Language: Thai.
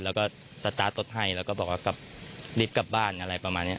แล้วก็สตาร์ทรถให้แล้วก็บอกว่ากลับรีบกลับบ้านอะไรประมาณนี้